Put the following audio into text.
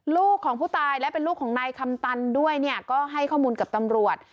ลูกของผู้ตายและเป็นลูกของนายคำตันด้วยเนี่ยก็ให้ข้อมูลกับตำรวจ